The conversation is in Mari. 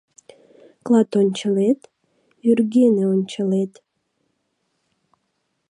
Клатончылет — вӱргене ончылет.